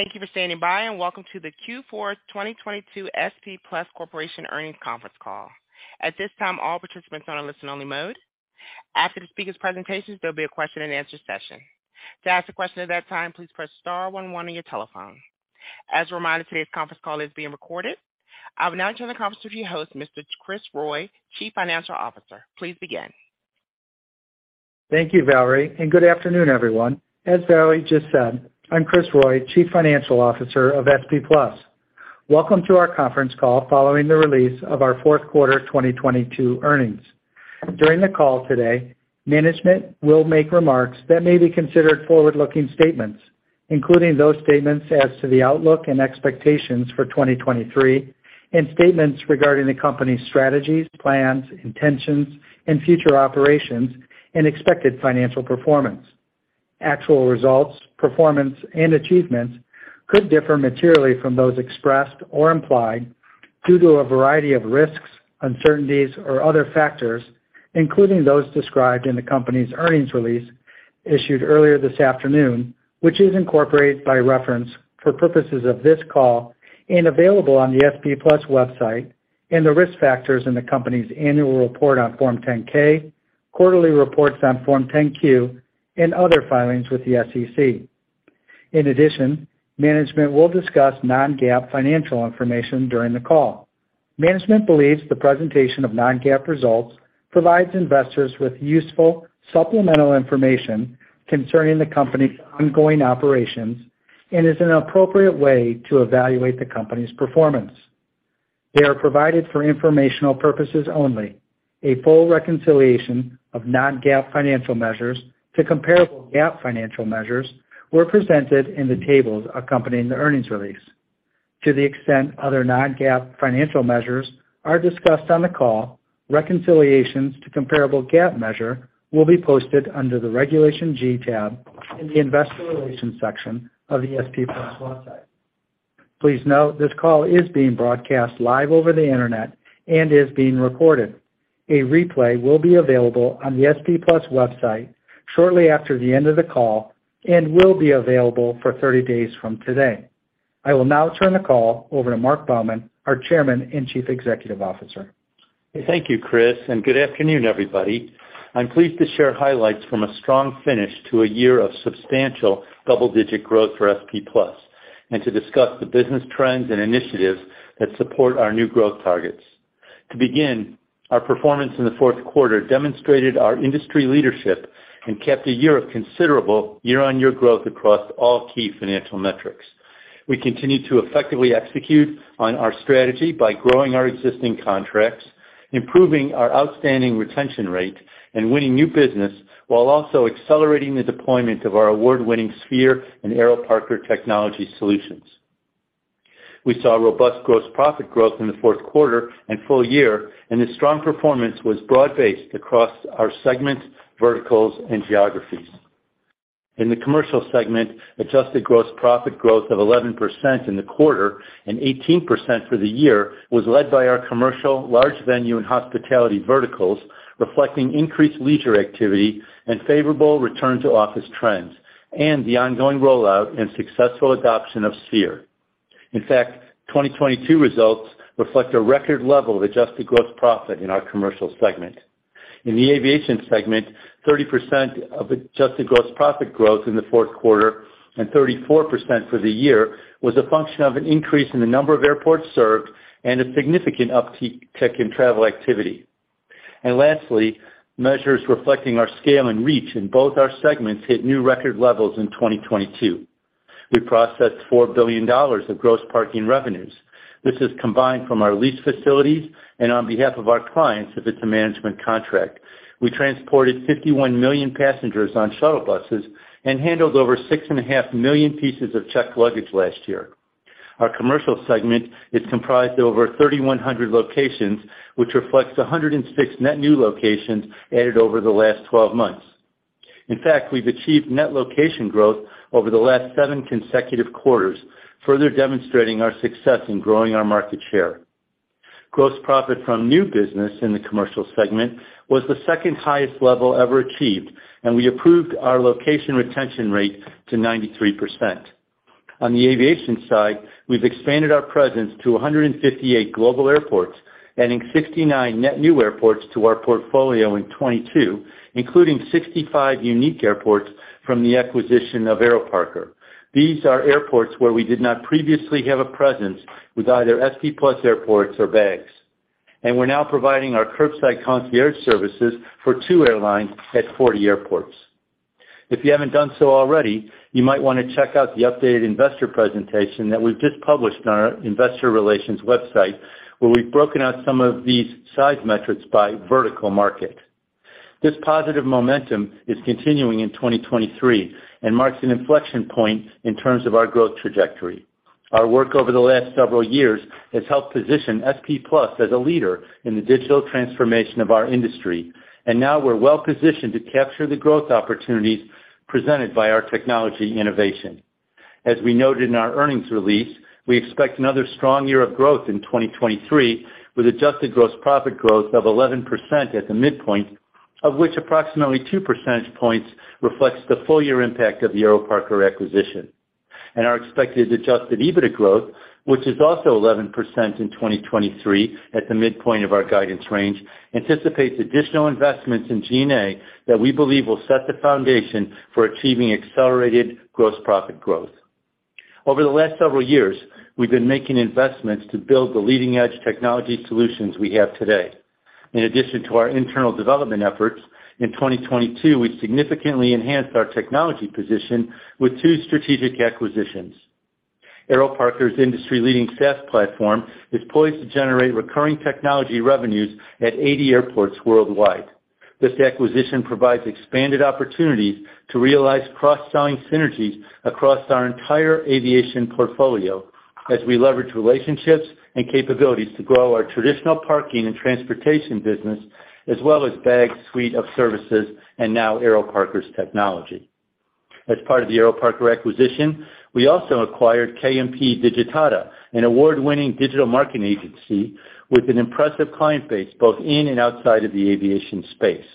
Thank you for standing by. Welcome to the Q4 2022 SP Plus Corporation Earnings Conference Call. At this time, all participants are on a listen only mode. After the speaker's presentations, there'll be a question and answer session. To ask a question at that time, please press star one one on your telephone. As a reminder, today's conference call is being recorded. I will now turn the conference to your host, Mr. Kris Roy, Chief Financial Officer. Please begin. Thank you, Valerie. Good afternoon, everyone. As Valerie just said, I'm Kris Roy, CFO of SP Plus. Welcome to our conference call following the release of our Q4 2022 earnings. During the call today, management will make remarks that may be considered forward-looking statements, including those statements as to the outlook and expectations for 2023 and statements regarding the company's strategies, plans, intentions, and future operations and expected financial performance. Actual results, performance, and achievements could differ materially from those expressed or implied due to a variety of risks, uncertainties, or other factors, including those described in the company's earnings release issued earlier this afternoon, which is incorporated by reference for purposes of this call and available on the SP Plus website and the risk factors in the company's annual report on Form 10-K, quarterly reports on Form 10-Q, and other filings with the SEC. In addition, management will discuss non-GAAP financial information during the call. Management believes the presentation of non-GAAP results provides investors with useful supplemental information concerning the company's ongoing operations and is an appropriate way to evaluate the company's performance. They are provided for informational purposes only. A full reconciliation of non-GAAP financial measures to comparable GAAP financial measures were presented in the tables accompanying the earnings release. To the extent other non-GAAP financial measures are discussed on the call, reconciliations to comparable GAAP measure will be posted under the Regulation G tab in the investor relations section of the SP Plus website. Please note, this call is being broadcast live over the internet and is being recorded. A replay will be available on the SP Plus website shortly after the end of the call and will be available for 30 days from today. I will now turn the call over to Marc Baumann, our Chairman and Chief Executive Officer. Thank you, Kris, and good afternoon, everybody. I'm pleased to share highlights from a strong finish to a year of substantial double-digit growth for SP Plus and to discuss the business trends and initiatives that support our new growth targets. To begin, our performance in the Q4 demonstrated our industry leadership and kept a year of considerable year-on-year growth across all key financial metrics. We continued to effectively execute on our strategy by growing our existing contracts, improving our outstanding retention rate, and winning new business while also accelerating the deployment of our award-winning Sphere and AeroParker technology solutions. We saw robust gross profit growth in the Q4 and full year, and this strong performance was broad-based across our segments, verticals, and geographies. In the commercial segment, adjusted gross profit growth of 11% in the quarter and 18% for the year was led by our commercial large venue and hospitality verticals, reflecting increased leisure activity and favorable return to office trends and the ongoing rollout and successful adoption of Sphere. In fact, 2022 results reflect a record level of adjusted gross profit in our commercial segment. In the aviation segment, 30% of adjusted gross profit growth in the Q4 and 34% for the year was a function of an increase in the number of airports served and a significant uptick in travel activity. Lastly, measures reflecting our scale and reach in both our segments hit new record levels in 2022. We processed $4 billion of gross parking revenues. This is combined from our lease facilities and on behalf of our clients if it's a management contract. We transported 51 million passengers on shuttle buses and handled over 6.5 million pieces of checked luggage last year. Our commercial segment is comprised of over 3,100 locations, which reflects 106 net new locations added over the last 12 months. In fact, we've achieved net location growth over the last seven consecutive quarters, further demonstrating our success in growing our market share. Gross profit from new business in the commercial segment was the second highest level ever achieved. We improved our location retention rate to 93%. On the aviation side, we've expanded our presence to 158 global airports, adding 69 net new airports to our portfolio in 2022, including 65 unique airports from the acquisition of AeroParker. These are airports where we did not previously have a presence with either SP Plus Airports or Bags. We're now providing our curbside concierge services for two airlines at 40 airports. If you haven't done so already, you might wanna check out the updated investor presentation that we've just published on our investor relations website, where we've broken out some of these size metrics by vertical market. This positive momentum is continuing in 2023 and marks an inflection point in terms of our growth trajectory. Our work over the last several years has helped position SP Plus as a leader in the digital transformation of our industry, and now we're well-positioned to capture the growth opportunities presented by our technology innovation. As we noted in our earnings release, we expect another strong year of growth in 2023, with adjusted gross profit growth of 11% at the midpoint. Of which approximately two percentage points reflects the full year impact of the AeroParker acquisition. Our expected adjusted EBITDA growth, which is also 11% in 2023 at the midpoint of our guidance range, anticipates additional investments in G&A that we believe will set the foundation for achieving accelerated gross profit growth. Over the last several years, we've been making investments to build the leading-edge technology solutions we have today. In addition to our internal development efforts, in 2022, we significantly enhanced our technology position with two strategic acquisitions. AeroParker's industry-leading SaaS platform is poised to generate recurring technology revenues at 80 airports worldwide. This acquisition provides expanded opportunities to realize cross-selling synergies across our entire aviation portfolio as we leverage relationships and capabilities to grow our traditional parking and transportation business, as well as Bags' suite of services and now AeroParker's technology. As part of the AeroParker acquisition, we also acquired KMP Digitata, an award-winning digital marketing agency with an impressive client base both in and outside of the aviation space.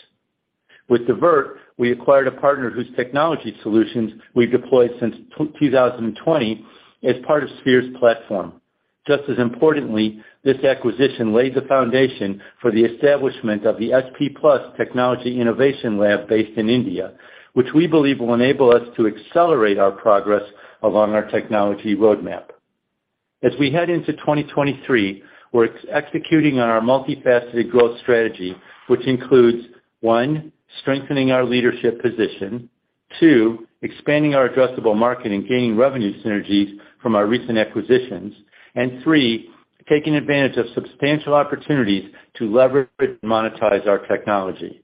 With DIVRT, we acquired a partner whose technology solutions we've deployed since 2020 as part of Sphere's platform. Just as importantly, this acquisition laid the foundation for the establishment of the SP Plus Technology Innovation Lab based in India, which we believe will enable us to accelerate our progress along our technology roadmap. As we head into 2023, we're executing on our multifaceted growth strategy, which includes, one, strengthening our leadership position, two, expanding our addressable market and gaining revenue synergies from our recent acquisitions, and three, taking advantage of substantial opportunities to leverage and monetize our technology.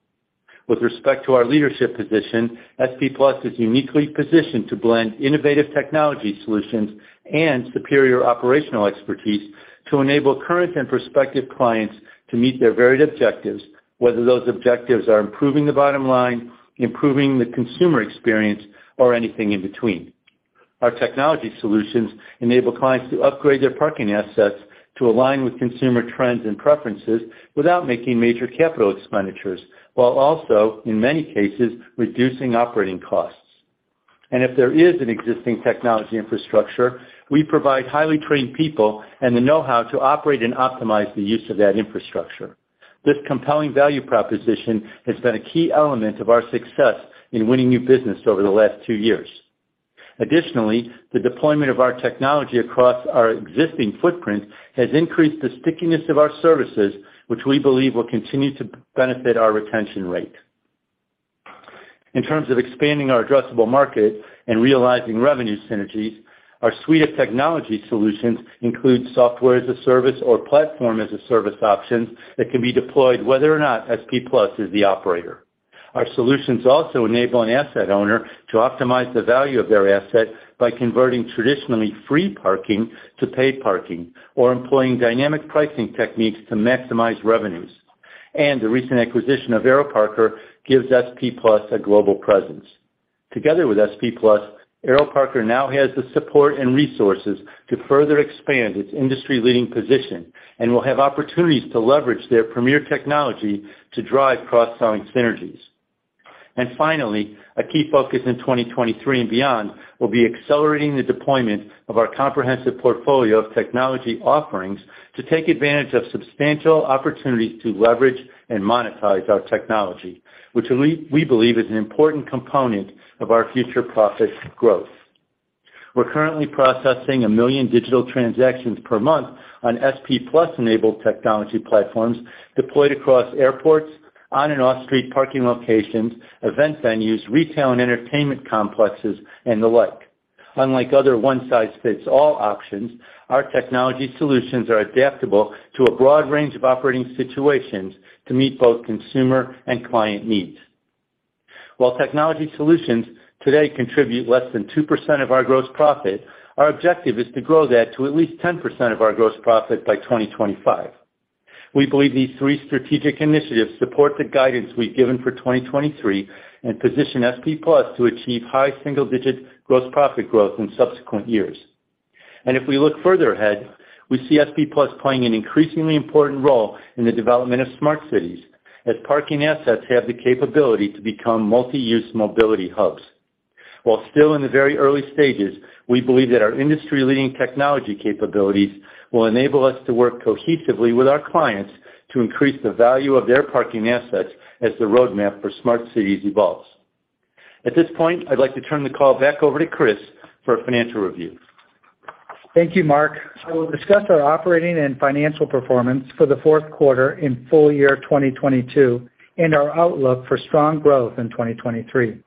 With respect to our leadership position, SP Plus is uniquely positioned to blend innovative technology solutions and superior operational expertise to enable current and prospective clients to meet their varied objectives, whether those objectives are improving the bottom line, improving the consumer experience, or anything in between. Our technology solutions enable clients to upgrade their parking assets to align with consumer trends and preferences without making major capital expenditures, while also, in many cases, reducing operating costs. If there is an existing technology infrastructure, we provide highly trained people and the know-how to operate and optimize the use of that infrastructure. This compelling value proposition has been a key element of our success in winning new business over the last two years. The deployment of our technology across our existing footprint has increased the stickiness of our services, which we believe will continue to benefit our retention rate. In terms of expanding our addressable market and realizing revenue synergies, our suite of technology solutions include SaaS or platform as a service options that can be deployed whether or not SP Plus is the operator. Our solutions also enable an asset owner to optimize the value of their asset by converting traditionally free parking to paid parking or employing dynamic pricing techniques to maximize revenues. The recent acquisition of AeroParker gives SP Plus a global presence. Together with SP Plus, AeroParker now has the support and resources to further expand its industry-leading position and will have opportunities to leverage their premier technology to drive cross-selling synergies. Finally, a key focus in 2023 and beyond will be accelerating the deployment of our comprehensive portfolio of technology offerings to take advantage of substantial opportunities to leverage and monetize our technology, which we believe is an important component of our future profit growth. We're currently processing 1 million digital transactions per month on SP Plus-enabled technology platforms deployed across airports, on- and off-street parking locations, event venues, retail and entertainment complexes, and the like. Unlike other one-size-fits-all options, our technology solutions are adaptable to a broad range of operating situations to meet both consumer and client needs. While technology solutions today contribute less than 2% of our gross profit, our objective is to grow that to at least 10% of our gross profit by 2025. We believe these three strategic initiatives support the guidance we've given for 2023 and position SP Plus to achieve high single-digit gross profit growth in subsequent years. If we look further ahead, we see SP Plus playing an increasingly important role in the development of smart cities as parking assets have the capability to become multi-use mobility hubs. While still in the very early stages, we believe that our industry-leading technology capabilities will enable us to work cohesively with our clients to increase the value of their parking assets as the roadmap for smart cities evolves. At this point, I'd like to turn the call back over to Kris for a financial review. Thank you, Marc. I will discuss our operating and financial performance for the Q4 in full year 2022 and our outlook for strong growth in 2023.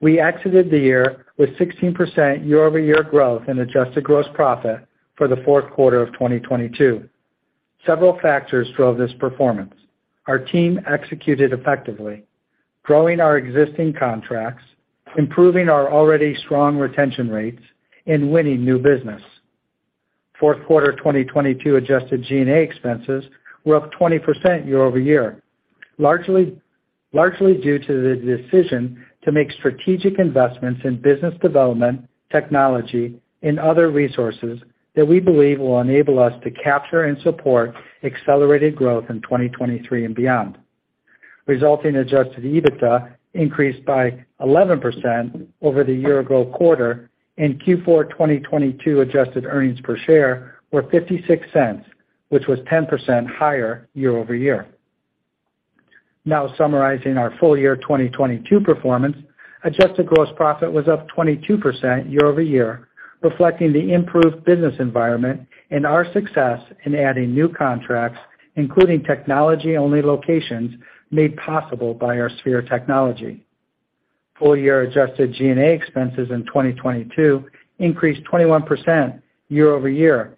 We exited the year with 16% year-over-year growth in adjusted gross profit for the Q4 of 2022. Several factors drove this performance. Our team executed effectively, growing our existing contracts, improving our already strong retention rates, and winning new business. Q4 2022 adjusted G&A expenses were up 20% year-over-year, largely due to the decision to make strategic investments in business development, technology, and other resources that we believe will enable us to capture and support accelerated growth in 2023 and beyond. Resulting adjusted EBITDA increased by 11% over the year ago quarter in Q4 2022. Adjusted earnings per share were $0.56, which was 10% higher year-over-year. Summarizing our full year 2022 performance. Adjusted gross profit was up 22% year-over-year, reflecting the improved business environment and our success in adding new contracts, including technology-only locations made possible by our Sphere technology. Full year adjusted G&A expenses in 2022 increased 21% year-over-year,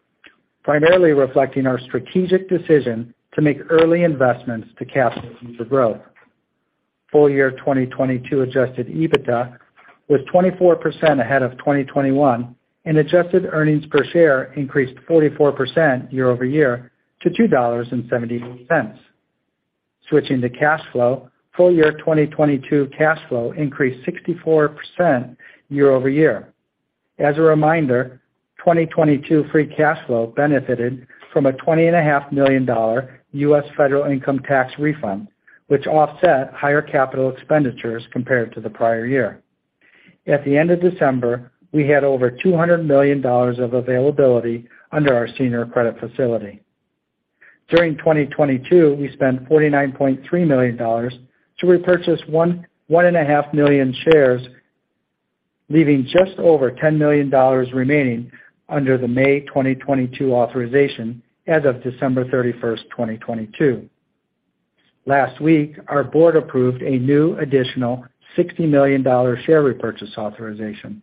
primarily reflecting our strategic decision to make early investments to capture future growth. Full year 2022 adjusted EBITDA was 24% ahead of 2021, adjusted earnings per share increased 44% year-over-year to $2.70. Switching to cash flow. Full year 2022 cash flow increased 64% year-over-year. As a reminder, 2022 free cash flow benefited from a 20 and a half million dollar U.S. federal income tax refund, which offset higher capital expenditures compared to the prior year. At the end of December, we had over $200 million of availability under our senior credit facility. During 2022, we spent $49.3 million to repurchase 1.5 million shares, leaving just over $10 million remaining under the May 2022 authorization as of December 31st, 2022. Last week, our board approved a new additional $60 million share repurchase authorization.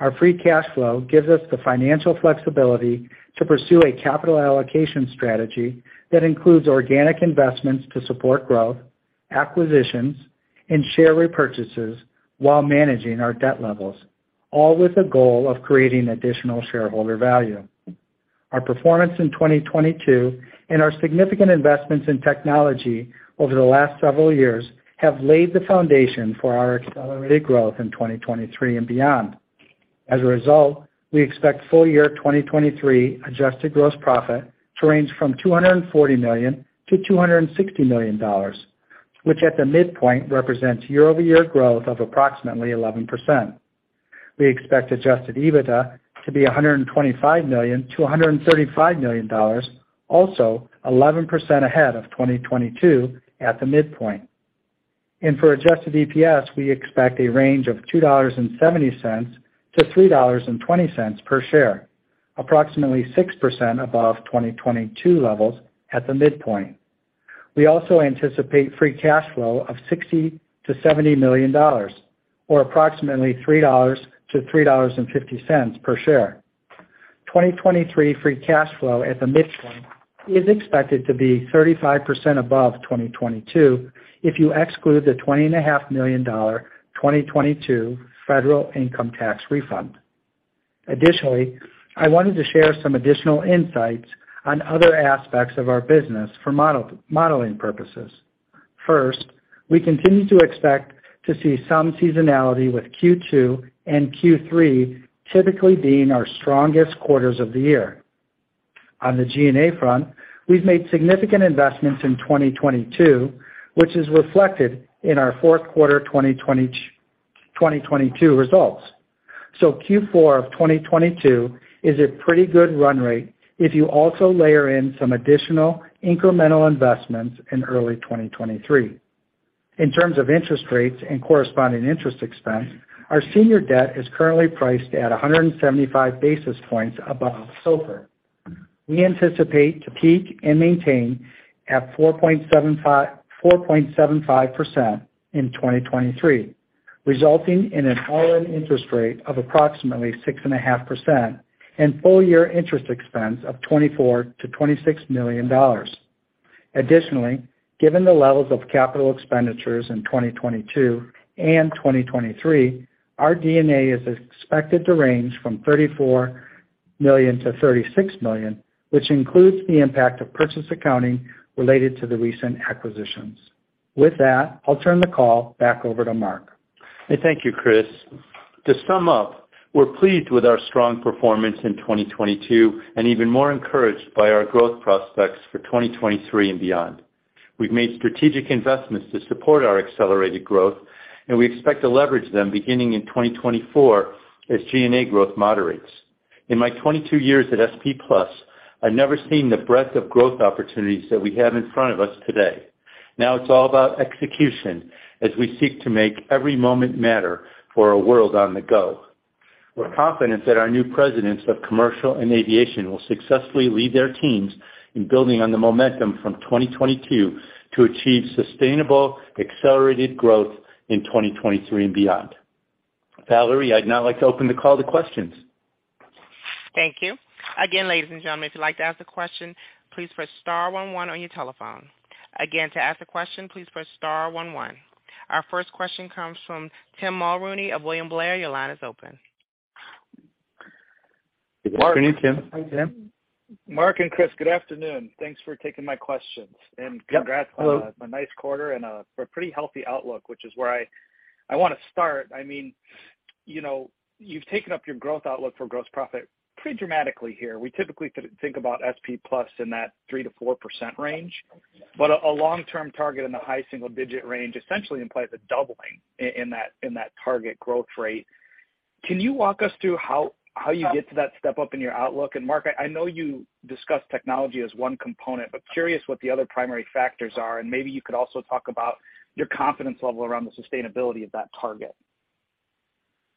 Our free cash flow gives us the financial flexibility to pursue a capital allocation strategy that includes organic investments to support growth, acquisitions, and share repurchases while managing our debt levels, all with the goal of creating additional shareholder value. Our performance in 2022 and our significant investments in technology over the last several years have laid the foundation for our accelerated growth in 2023 and beyond. As a result, we expect full year 2023 adjusted gross profit to range from $240 million-$260 million, which at the midpoint represents year-over-year growth of approximately 11%. We expect adjusted EBITDA to be $125 million-$135 million, also 11% ahead of 2022 at the midpoint. For adjusted EPS, we expect a range of $2.70-$3.20 per share, approximately 6% above 2022 levels at the midpoint. We also anticipate free cash flow of $60 million-$70 million, or approximately $3.00-$3.50 per share. 2023 free cash flow at the midpoint is expected to be 35% above 2022 if you exclude the 20 and a half million dollar 2022 federal income tax refund. Additionally, I wanted to share some additional insights on other aspects of our business for modeling purposes. We continue to expect to see some seasonality with Q2 and Q3 typically being our strongest quarters of the year. On the G&A front, we've made significant investments in 2022, which is reflected in our Q4 2022 results. Q4 of 2022 is a pretty good run rate if you also layer in some additional incremental investments in early 2023. In terms of interest rates and corresponding interest expense, our senior debt is currently priced at 175 basis points above SOFR. We anticipate to peak and maintain at 4.75% in 2023, resulting in an all-in interest rate of approximately 6.5% and full-year interest expense of $24 million-$26 million. Given the levels of capital expenditures in 2022 and 2023, our D&A is expected to range from $34 million-$36 million, which includes the impact of purchase accounting related to the recent acquisitions. With that, I'll turn the call back over to Marc. Thank you, Kris. To sum up, we're pleased with our strong performance in 2022 and even more encouraged by our growth prospects for 2023 and beyond. We've made strategic investments to support our accelerated growth. We expect to leverage them beginning in 2024 as G&A growth moderates. In my 22 years at SP Plus, I've never seen the breadth of growth opportunities that we have in front of us today. Now it's all about execution as we seek to make every moment matter for a world on the go. We're confident that our new presidents of commercial and aviation will successfully lead their teams in building on the momentum from 2022 to achieve sustainable accelerated growth in 2023 and beyond. Valerie, I'd now like to open the call to questions. Thank you. Again, ladies and gentlemen, if you'd like to ask a question, please press star one one on your telephone. Again, to ask a question, please press star one one. Our first question comes from Tim Mulrooney of William Blair. Your line is open. Good afternoon, Tim. Hi, Tim. Marc and Kris, good afternoon. Thanks for taking my questions and congrats on a nice quarter and a, for a pretty healthy outlook, which is where I wanna start. I mean, you know, you've taken up your growth outlook for gross profit pretty dramatically here. We typically think about SP Plus in that 3%-4% range, but a long-term target in the high single-digit range essentially implies a doubling in that target growth rate. Can you walk us through how you get to that step up in your outlook? Marc, I know you discussed technology as one component, but curious what the other primary factors are, and maybe you could also talk about your confidence level around the sustainability of that target.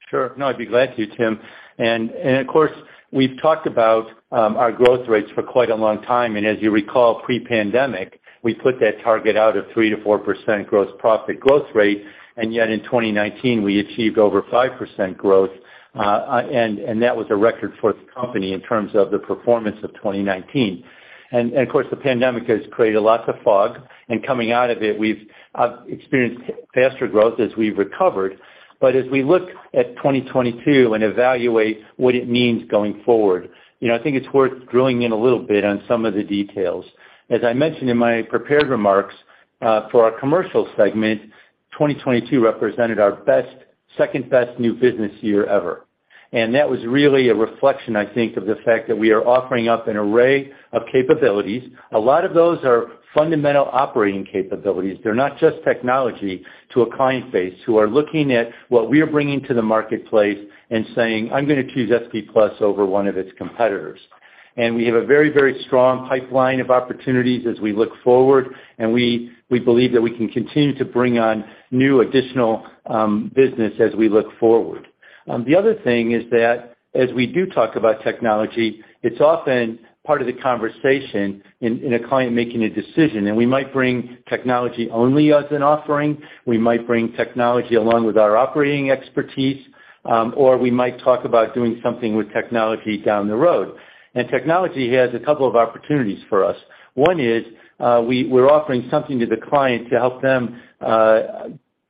Sure. No, I'd be glad to, Tim. Of course, we've talked about our growth rates for quite a long time. As you recall, pre-pandemic, we put that target out of 3%-4% gross profit growth rate. Yet, in 2019, we achieved over 5% growth. That was a record for the company in terms of the performance of 2019. Of course, the pandemic has created lots of fog, and coming out of it, we've experienced faster growth as we've recovered. As we look at 2022 and evaluate what it means going forward, you know, I think it's worth drilling in a little bit on some of the details. As I mentioned in my prepared remarks, for our commercial segment, 2022 represented our best, second-best new business year ever. That was really a reflection, I think, of the fact that we are offering up an array of capabilities. A lot of those are fundamental operating capabilities, they're not just technology to a client base who are looking at what we are bringing to the marketplace and saying, "I'm gonna choose SP Plus over one of its competitors." We have a very, very strong pipeline of opportunities as we look forward, and we believe that we can continue to bring on new additional business as we look forward. The other thing is that as we do talk about technology, it's often part of the conversation in a client making a decision. We might bring technology only as an offering, we might bring technology along with our operating expertise, or we might talk about doing something with technology down the road. Technology has a couple of opportunities for us. One is, we're offering something to the client to help them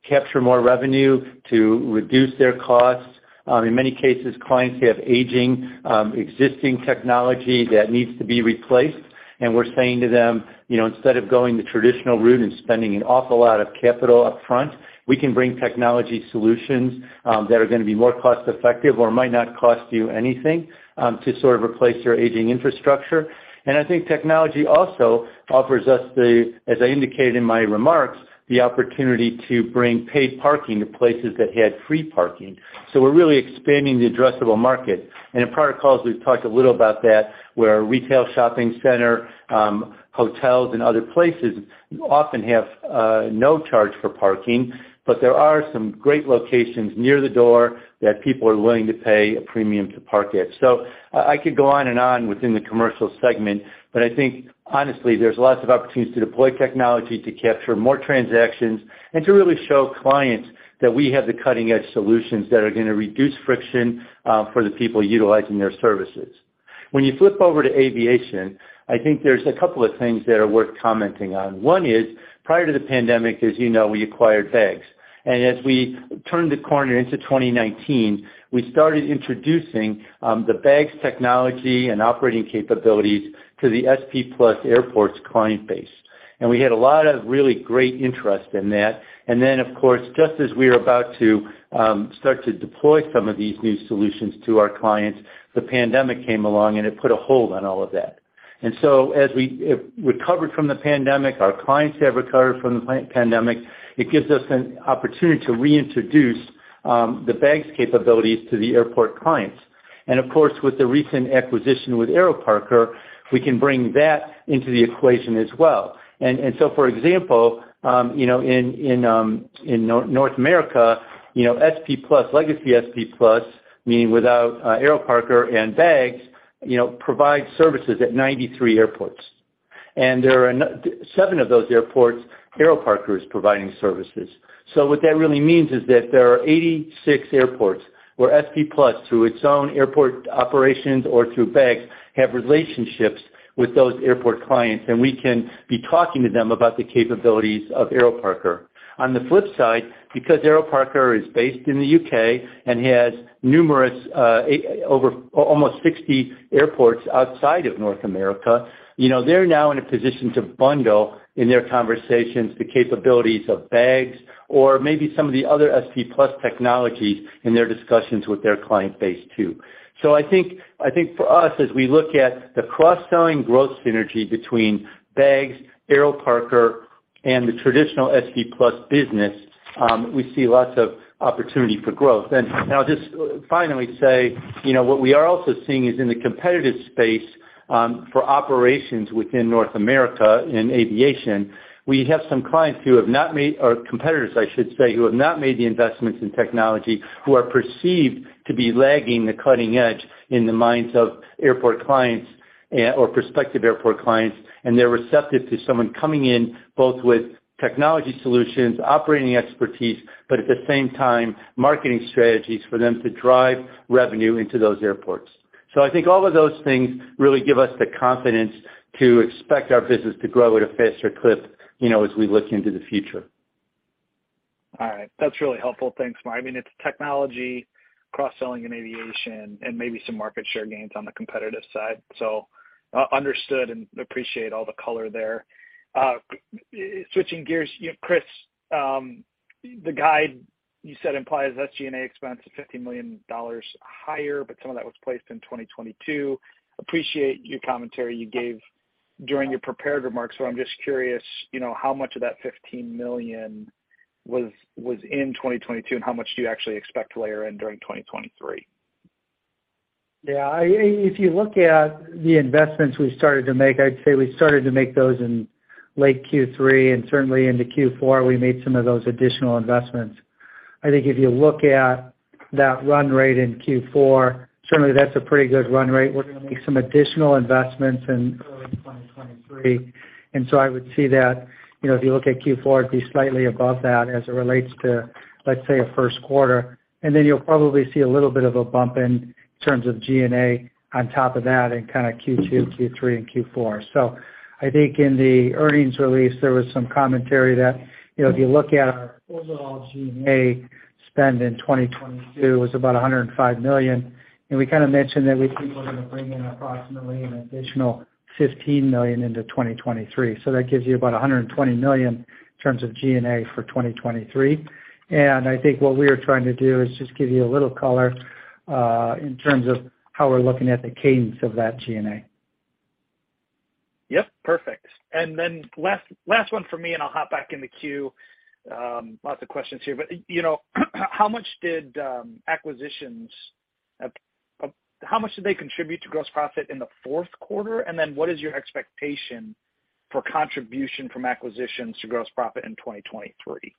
capture more revenue to reduce their costs. In many cases, clients have aging, existing technology that needs to be replaced, we're saying to them, "You know, instead of going the traditional route and spending an awful lot of capital upfront, we can bring technology solutions that are gonna be more cost-effective or might not cost you anything to sort of replace your aging infrastructure." I think technology also offers us the, as I indicated in my remarks, the opportunity to bring paid parking to places that had free parking. We're really expanding the addressable market. In prior calls, we've talked a little about that, where retail shopping center, hotels, and other places often have no charge for parking, but there are some great locations near the door that people are willing to pay a premium to park at. I could go on and on within the commercial segment, but I think honestly, there's lots of opportunities to deploy technology to capture more transactions and to really show clients that we have the cutting-edge solutions that are gonna reduce friction for the people utilizing their services. When you flip over to aviation, I think there's a couple of things that are worth commenting on. One is, prior to the pandemic, as you know, we acquired Bags. As we turned the corner into 2019, we started introducing the Bags technology and operating capabilities to the SP Plus airports client base. We had a lot of really great interest in that of course, just as we were about to start to deploy some of these new solutions to our clients, the pandemic came along, and it put a hold on all of that. As we recovered from the pandemic, our clients have recovered from the pan-pandemic, it gives us an opportunity to reintroduce the Bags capabilities to the airport clients. Of course, with the recent acquisition with AeroParker, we can bring that into the equation as well. For example, you know, in North America, you know, SP Plus, legacy SP Plus, meaning without AeroParker and Bags, you know, provide services at 93 airports. There are seven of those airports, AeroParker is providing services. What that really means is that there are 86 airports where SP Plus, through its own airport operations or through Bags, have relationships with those airport clients, and we can be talking to them about the capabilities of AeroParker. On the flip side, because AeroParker is based in the U.K. and has numerous, over almost 60 airports outside of North America, you know, they're now in a position to bundle in their conversations the capabilities of Bags or maybe some of the other SP Plus technologies in their discussions with their client base too. I think for us, as we look at the cross-selling growth synergy between Bags, AeroParker, and the traditional SP Plus business, we see lots of opportunity for growth. Now just finally say, you know, what we are also seeing is in the competitive space for operations within North America in aviation, we have some clients who have not made, or competitors I should say, who have not made the investments in technology, who are perceived to be lagging the cutting edge in the minds of airport clients, or prospective airport clients, and they're receptive to someone coming in both with technology solutions, operating expertise, but at the same time, marketing strategies for them to drive revenue into those airports. I think all of those things really give us the confidence to expect our business to grow at a faster clip, you know, as we look into the future. All right. That's really helpful. Thanks, Marc. I mean, it's technology, cross-selling in aviation, and maybe some market share gains on the competitive side. Understood and appreciate all the color there. Switching gears, you know, Kris, the guide you said implies SG&A expense of $50 million higher, but some of that was placed in 2022. Appreciate your commentary you gave during your prepared remarks, I'm just curious, you know, how much of that $15 million was in 2022, and how much do you actually expect to layer in during 2023? If you look at the investments we started to make, I'd say we started to make those in late Q3, and certainly into Q4, we made some of those additional investments. I think if you look at that run rate in Q4, certainly that's a pretty good run rate. We're gonna make some additional investments in early 2023. I would see that, you know, if you look at Q4, it'd be slightly above that as it relates to, let's say, a Q1. You'll probably see a little bit of a bump in terms of G&A on top of that in kinda Q2, Q3, and Q4. I think in the earnings release, there was some commentary that, you know, if you look at our overall G&A spend in 2022, it was about $105 million. We kinda mentioned that we think we're gonna bring in approximately an additional $15 million into 2023. That gives you about $120 million in terms of G&A for 2023. I think what we are trying to do is just give you a little color in terms of how we're looking at the cadence of that G&A. Yep. Perfect. Last, last one for me, and I'll hop back in the queue. Lots of questions here. You know, how much did acquisitions contribute to gross profit in the Q4? What is your expectation for contribution from acquisitions to gross profit in 2023?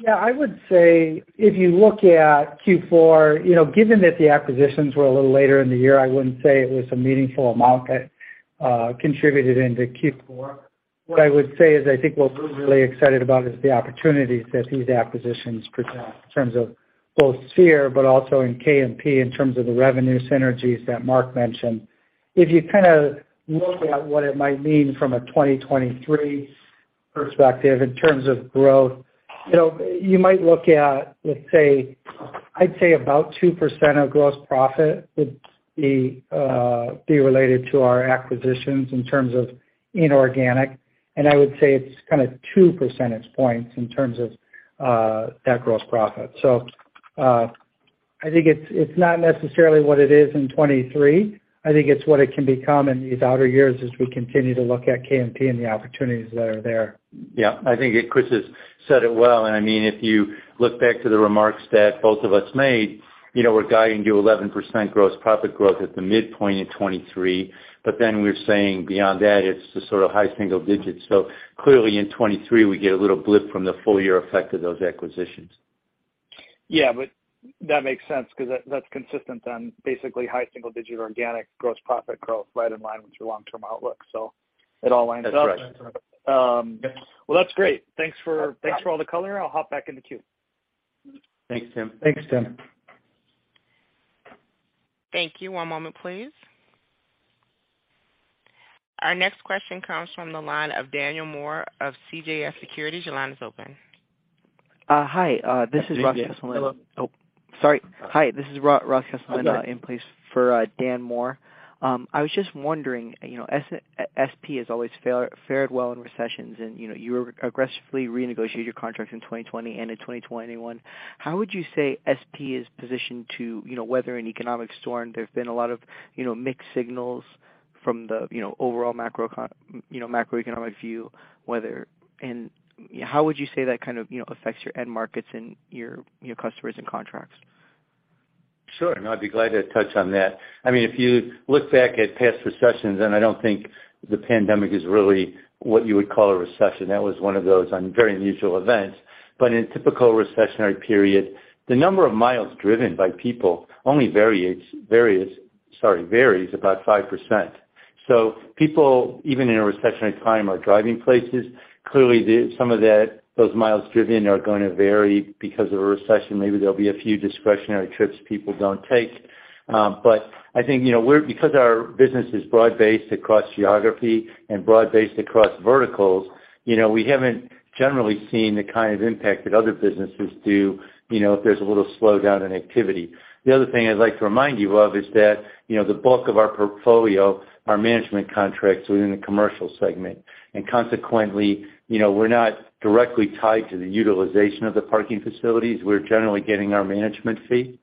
Yeah. I would say if you look at Q4, you know, given that the acquisitions were a little later in the year, I wouldn't say it was a meaningful amount that contributed into Q4. What I would say is, I think what we're really excited about is the opportunities that these acquisitions present in terms of both Sphere, but also in KMP, in terms of the revenue synergies that Marc mentioned. If you kinda look at what it might mean from a 2023 perspective in terms of growth, you know, you might look at, let's say, I'd say about 2% of gross profit would be related to our acquisitions in terms of inorganic. I would say it's kinda two percentage points in terms of that gross profit. I think it's not necessarily what it is in 2023. I think it's what it can become in these outer years as we continue to look at KMP and the opportunities that are there. Yeah. I think that Kris has said it well, and I mean, if you look back to the remarks that both of us made, you know, we're guiding you 11% gross profit growth at the midpoint in 2023. We're saying beyond that, it's just sort of high single digits. Clearly in 2023, we get a little blip from the full year effect of those acquisitions. Yeah, that makes sense 'cause that's consistent then. Basically high single-digit organic gross profit growth right in line with your long-term outlook. It all lines up. That's right. That's great. Thanks for, thanks for all the color. I'll hop back in the queue. Thanks, Tim. Thanks, Tim. Thank you. One moment, please. Our next question comes from the line of Daniel Moore of CJS Securities. Your line is open. Hi, this is Ross Coleman Hi, Daniel. Hello. Hi, this is Ross Coleman, in place for Dan Moore. I was just wondering, you know, SP has always fared well in recessions and, you know, you aggressively renegotiated your contract in 2020 and in 2021. How would you say SP is positioned to, you know, weather an economic storm? There've been a lot of, you know, mixed signals from the, you know, overall macroeconomic view. How would you say that kind of, you know, affects your end markets and your customers and contracts? Sure. No, I'd be glad to touch on that. I mean, if you look back at past recessions, I don't think the pandemic is really what you would call a recession. That was one of those very unusual events. In a typical recessionary period, the number of miles driven by people only varies about 5%. People, even in a recessionary time, are driving places. Clearly, some of that, those miles driven are gonna vary because of a recession. Maybe there'll be a few discretionary trips people don't take. I think, you know, because our business is broad-based across geography and broad-based across verticals, you know, we haven't generally seen the kind of impact that other businesses do, you know, if there's a little slowdown in activity. The other thing I'd like to remind you of is that, you know, the bulk of our portfolio are management contracts within the commercial segment. Consequently, you know, we're not directly tied to the utilization of the parking facilities. We're generally getting our management fee.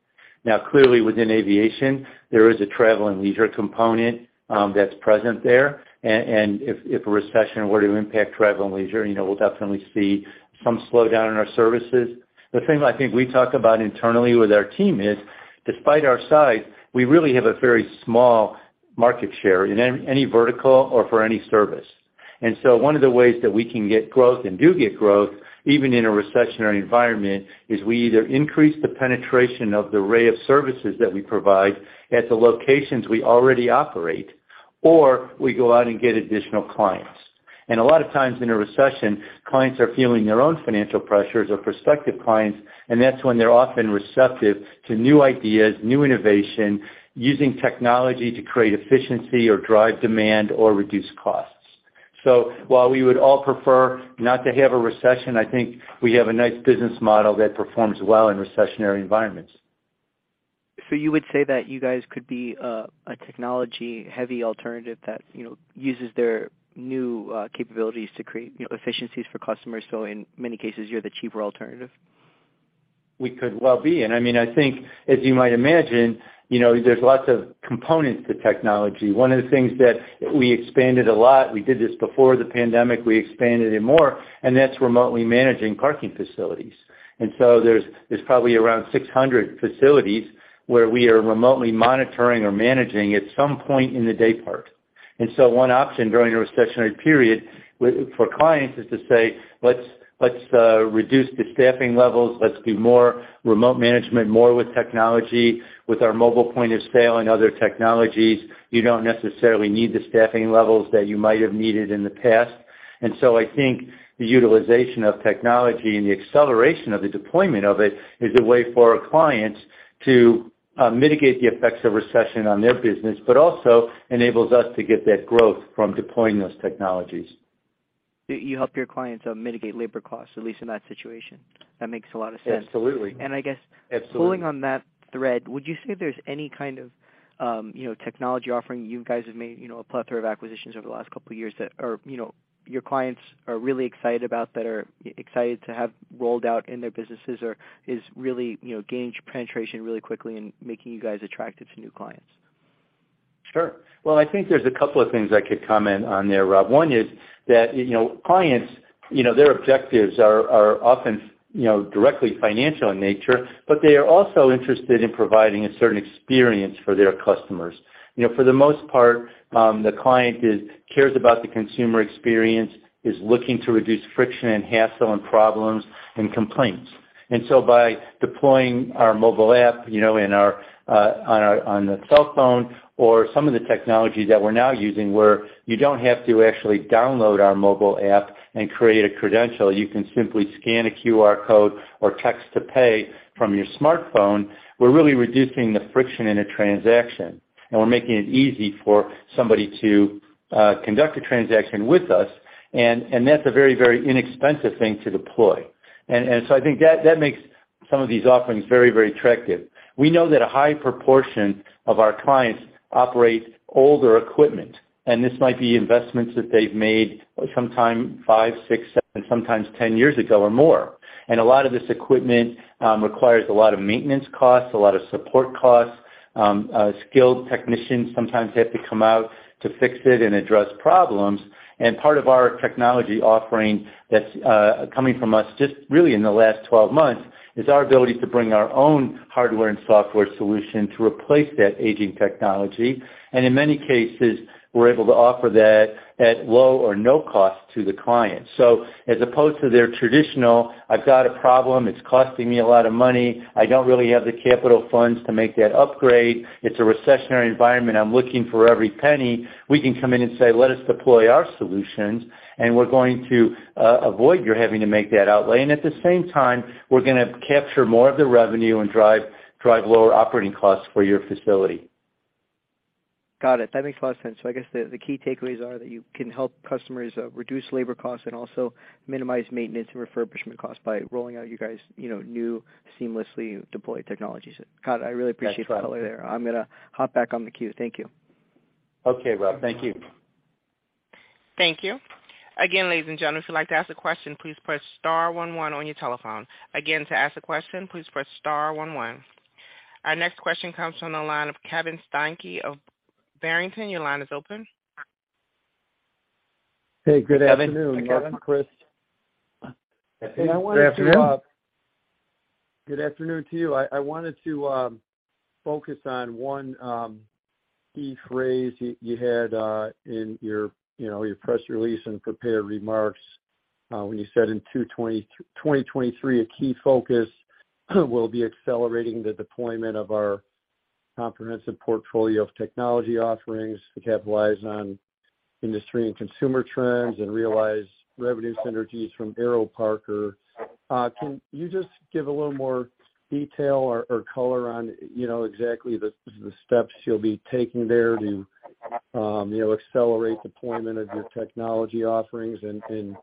Clearly, within aviation, there is a travel and leisure component, that's present there. If a recession were to impact travel and leisure, you know, we'll definitely see some slowdown in our services. The thing that I think we talk about internally with our team is, despite our size, we really have a very small market share in any vertical or for any service. One of the ways that we can get growth and do get growth, even in a recessionary environment, is we either increase the penetration of the array of services that we provide at the locations we already operate, or we go out and get additional clients. A lot of times in a recession, clients are feeling their own financial pressures or prospective clients, and that's when they're often receptive to new ideas, new innovation, using technology to create efficiency or drive demand or reduce costs. So while we would all prefer not to have a recession, I think we have a nice business model that performs well in recessionary environments. You would say that you guys could be a technology-heavy alternative that, you know, uses their new capabilities to create, you know, efficiencies for customers, so in many cases you're the cheaper alternative? We could well be. I mean, I think as you might imagine, you know, there's lots of components to technology. One of the things that we expanded a lot, we did this before the pandemic, we expanded it more, and that's remotely managing parking facilities. There's probably around 600 facilities where we are remotely monitoring or managing at some point in the day part. One option during a recessionary period for clients is to say, "Let's, let's reduce the staffing levels. Let's do more remote management, more with technology, with our mobile point of sale and other technologies." You don't necessarily need the staffing levels that you might have needed in the past. I think the utilization of technology and the acceleration of the deployment of it is a way for our clients to mitigate the effects of recession on their business, but also enables us to get that growth from deploying those technologies. You help your clients, mitigate labor costs, at least in that situation. That makes a lot of sense. Absolutely. And I guess- Absolutely. -pulling on that thread, would you say there's any kind of, you know, technology offering you guys have made, you know, a plethora of acquisitions over the last couple of years that are, you know, your clients are really excited about, that are excited to have rolled out in their businesses or is really, you know, gained penetration really quickly and making you guys attractive to new clients? Sure. Well, I think there's a couple of things I could comment on there, Ross. One is that, you know, clients, you know, their objectives are often, you know, directly financial in nature, but they are also interested in providing a certain experience for their customers. You know, for the most part, the client cares about the consumer experience, is looking to reduce friction and hassle and problems and complaints. By deploying our mobile app, you know, in our on the cell phone or some of the technology that we're now using where you don't have to actually download our mobile app and create a credential, you can simply scan a QR code or text to pay from your smartphone, we're really reducing the friction in a transaction and we're making it easy for somebody to conduct a transaction with us and that's a very, very inexpensive thing to deploy. I think that makes some of these offerings very, very attractive. We know that a high proportion of our clients operate older equipment, and this might be investments that they've made sometime five, six, seven, sometimes 10 years ago or more. A lot of this equipment requires a lot of maintenance costs, a lot of support costs. Skilled technicians sometimes have to come out to fix it and address problems. Part of our technology offering that's coming from us just really in the last 12 months, is our ability to bring our own hardware and software solution to replace that aging technology. In many cases, we're able to offer that at low or no cost to the client. As opposed to their traditional, "I've got a problem, it's costing me a lot of money. I don't really have the capital funds to make that upgrade. It's a recessionary environment, I'm looking for every penny," we can come in and say, "Let us deploy our solutions and we're going to avoid your having to make that outlay. And at the same time, we're gonna capture more of the revenue and drive lower operating costs for your facility. Got it. That makes a lot of sense. I guess the key takeaways are that you can help customers reduce labor costs and also minimize maintenance and refurbishment costs by rolling out you guys', you know, new seamlessly deployed technologies. Got it. I really appreciate- That's right. -the color there. I'm gonna hop back on the queue. Thank you. Okay, Ross. Thank you. Thank you. Again, ladies and gentlemen, if you'd like to ask a question, please press star one one on your telephone. Again, to ask a question, please press star one one. Our next question comes from the line of Kevin Steinke of Barrington. Your line is open. Hey, good afternoon. Kevin. -Kris. Good afternoon. I wanted to. Good afternoon to you. I wanted to focus on one key phrase you had in your, you know, your press release and prepared remarks, when you said in 2023 a key focus will be accelerating the deployment of our comprehensive portfolio of technology offerings to capitalize on industry and consumer trends and realize revenue synergies from AeroParker. Can you just give a little more detail or color on, you know, exactly the steps you'll be taking there to, you know, accelerate deployment of your technology offerings and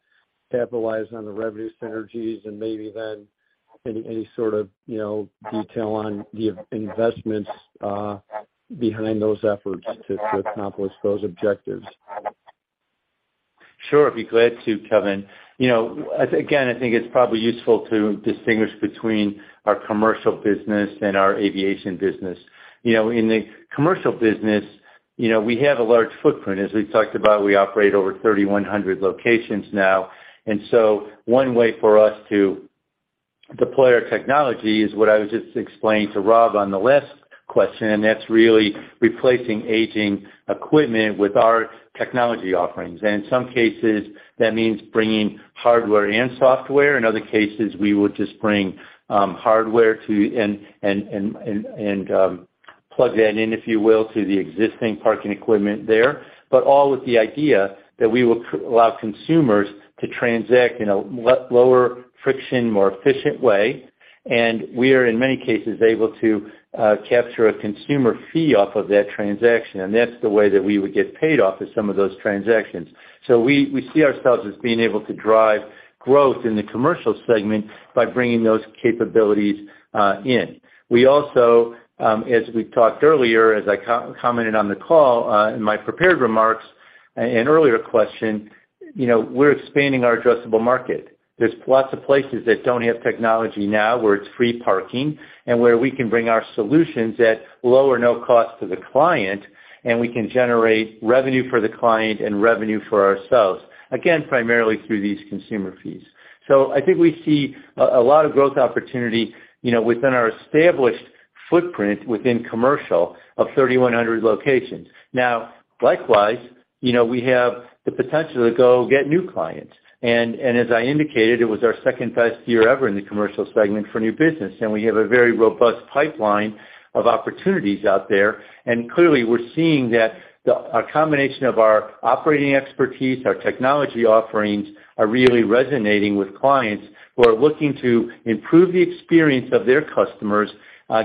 capitalize on the revenue synergies and maybe then any sort of, you know, detail on the investments behind those efforts to accomplish those objectives? Sure. I'd be glad to, Kevin. You know, again, I think it's probably useful to distinguish between our commercial business and our aviation business. You know, in the commercial business, you know, we have a large footprint. As we've talked about, we operate over 3,100 locations now. One way for us to deploy our technology is what I was just explaining to Ross on the last question, and that's really replacing aging equipment with our technology offerings. In some cases, that means bringing hardware and software. In other cases, we would just bring hardware to and plug that in, if you will, to the existing parking equipment there. All with the idea that we will allow consumers to transact in a lower friction, more efficient way. We are, in many cases, able to capture a consumer fee off of that transaction, and that's the way that we would get paid off of some of those transactions. We see ourselves as being able to drive growth in the commercial segment by bringing those capabilities in. We also, as we talked earlier, as I commented on the call, in my prepared remarks in an earlier question, you know, we're expanding our addressable market. There's lots of places that don't have technology now where it's free parking and where we can bring our solutions at low or no cost to the client, and we can generate revenue for the client and revenue for ourselves, again, primarily through these consumer fees. I think we see a lot of growth opportunity, you know, within our established footprint within commercial of 3,100 locations. Likewise, you know, we have the potential to go get new clients. As I indicated, it was our second best year ever in the commercial segment for new business, and we have a very robust pipeline of opportunities out there. Clearly, we're seeing that a combination of our operating expertise, our technology offerings are really resonating with clients who are looking to improve the experience of their customers,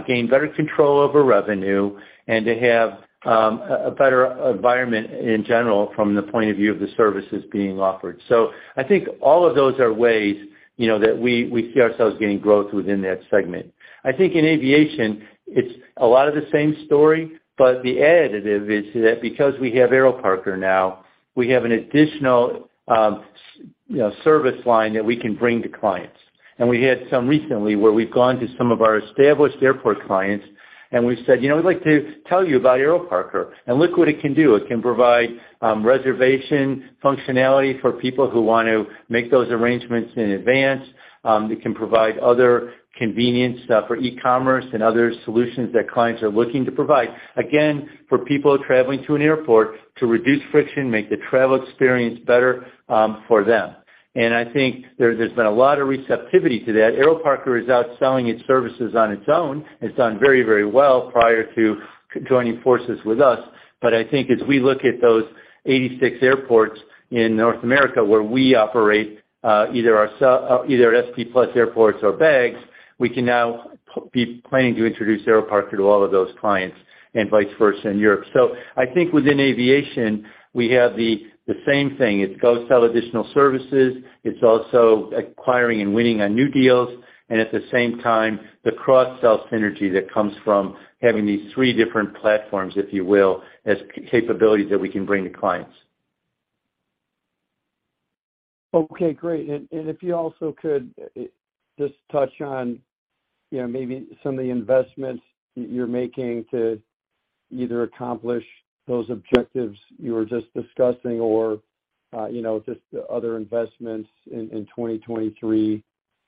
gain better control over revenue, and to have a better environment in general from the point of view of the services being offered. I think all of those are ways, you know, that we see ourselves gaining growth within that segment. I think in aviation, it's a lot of the same story, but the additive is that because we have AeroParker now, we have an additional, you know, service line that we can bring to clients. We had some recently where we've gone to some of our established airport clients, and we've said, "You know, we'd like to tell you about AeroParker, and look what it can do. It can provide reservation functionality for people who want to make those arrangements in advance. It can provide other convenience for e-commerce and other solutions that clients are looking to provide, again, for people traveling to an airport to reduce friction, make the travel experience better for them." I think there's been a lot of receptivity to that. AeroParker is out selling its services on its own. It's done very, very well prior to joining forces with us. I think as we look at those 86 airports in North America where we operate, either SP Plus airports or Bags, we can now be planning to introduce AeroParker to all of those clients, and vice versa in Europe. I think within aviation, we have the same thing. It's go sell additional services. It's also acquiring and winning on new deals, and at the same time, the cross-sell synergy that comes from having these three different platforms, if you will, as capabilities that we can bring to clients. Okay, great. If you also could, just touch on, you know, maybe some of the investments you're making to either accomplish those objectives you were just discussing or, you know, just other investments in 2023,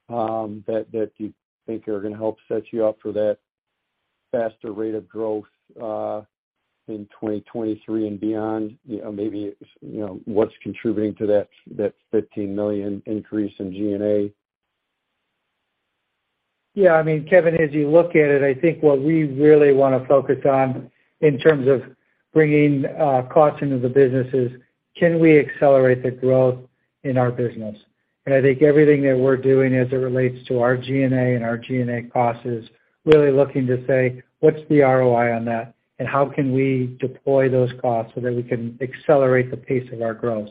that you think are gonna help set you up for that faster rate of growth in 2023 and beyond. You know, maybe, you know, what's contributing to that $15 million increase in G&A. Yeah. I mean, Kevin, as you look at it, I think what we really wanna focus on in terms of bringing costs into the business is, can we accelerate the growth in our business? I think everything that we're doing as it relates to our G&A and our G&A costs is really looking to say, "What's the ROI on that, and how can we deploy those costs so that we can accelerate the pace of our growth?"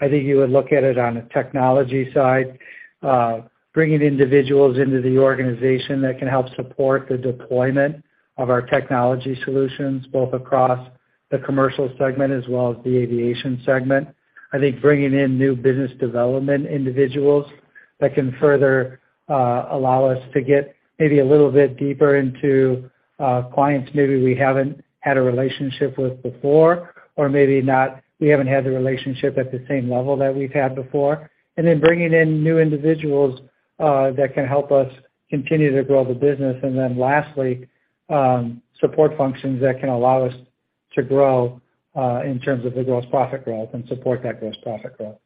I think you would look at it on the technology side, bringing individuals into the organization that can help support the deployment of our technology solutions, both across the commercial segment as well as the aviation segment. I think bringing in new business development individuals that can further allow us to get maybe a little bit deeper into clients maybe we haven't had a relationship with before or we haven't had the relationship at the same level that we've had before. Bringing in new individuals that can help us continue to grow the business. Lastly, support functions that can allow us to grow in terms of the gross profit growth and support that gross profit growth.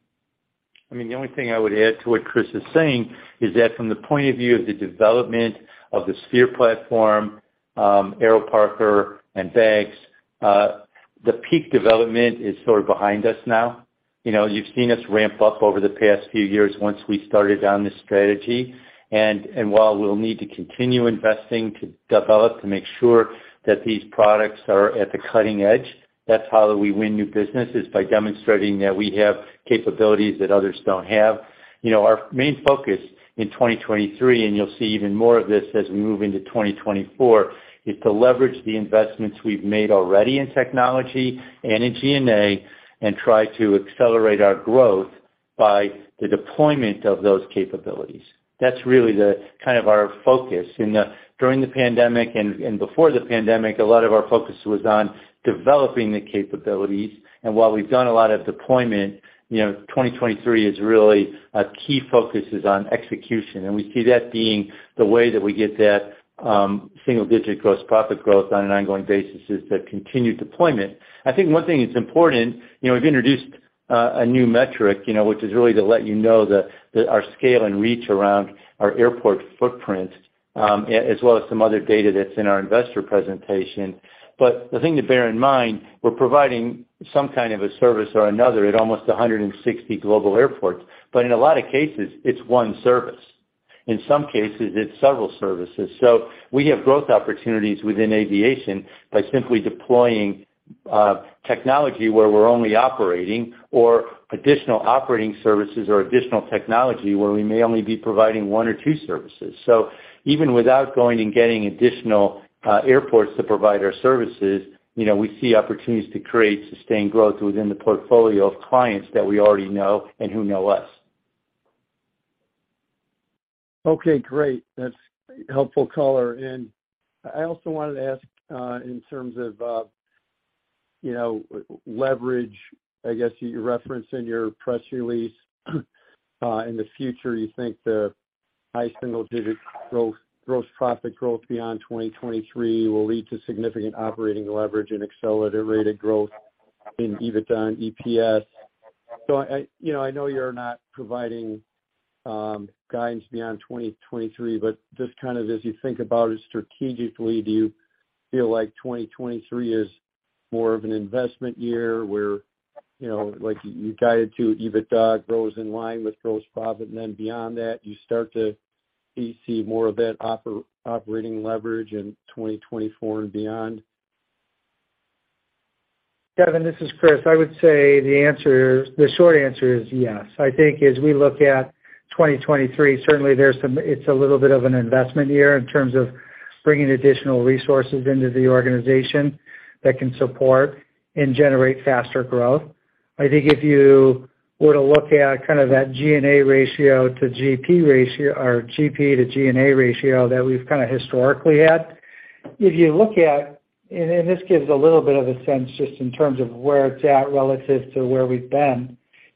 I mean, the only thing I would add to what Kris is saying is that from the point of view of the development of the Sphere platform, AeroParker and Bags, the peak development is sort of behind us now. You know, you've seen us ramp up over the past few years once we started on this strategy. While we'll need to continue investing to develop to make sure that these products are at the cutting edge, that's how we win new business, is by demonstrating that we have capabilities that others don't have. You know, our main focus in 2023, and you'll see even more of this as we move into 2024, is to leverage the investments we've made already in technology and in G&A and try to accelerate our growth by the deployment of those capabilities. That's really the kind of our focus. During the pandemic and before the pandemic, a lot of our focus was on developing the capabilities. While we've done a lot of deployment, you know, 2023 is really, our key focus is on execution. We see that being the way that we get that, single-digit gross profit growth on an ongoing basis is the continued deployment. I think one thing that's important, you know, we've introduced, a new metric, you know, which is really to let you know our scale and reach around our airport footprint. As well as some other data that's in our investor presentation. The thing to bear in mind, we're providing some kind of a service or another at almost 160 global airports. In a lot of cases, it's one service. In some cases, it's several services. We have growth opportunities within aviation by simply deploying technology where we're only operating or additional operating services or additional technology where we may only be providing one or two services. Even without going and getting additional airports to provide our services, you know, we see opportunities to create sustained growth within the portfolio of clients that we already know and who know us. Okay, great. That's helpful color. I also wanted to ask, in terms of, you know, leverage, I guess you referenced in your press release, in the future, you think the high single digit gross profit growth beyond 2023 will lead to significant operating leverage and accelerated growth in EBITDA and EPS. I, you know, I know you're not providing guidance beyond 2023, but just kind of as you think about it strategically, do you feel like 2023 is more of an investment year where, you know, like you guided to EBITDA grows in line with gross profit and then beyond that, you start to see more of that operating leverage in 2024 and beyond? Kevin, this is Kris. I would say the short answer is yes. I think as we look at 2023, certainly it's a little bit of an investment year in terms of bringing additional resources into the organization that can support and generate faster growth. I think if you were to look at kind of that G&A ratio to GP ratio or GP to G&A ratio that we've kinda historically had, if you look at. This gives a little bit of a sense just in terms of where it's at relative to where we've been.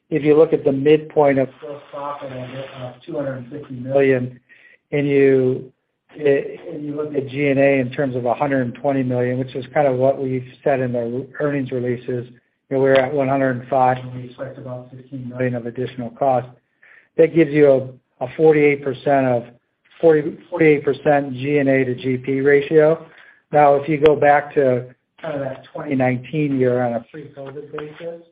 If you look at the midpoint of gross profit of $250 million, you look at G&A in terms of $120 million, which is kinda what we've said in our earnings releases, you know, we're at $105 million, and we expect about $15 million of additional cost. That gives you a 48% G&A to GP ratio. If you go back to kind of that 2019 year on a pre-COVID basis,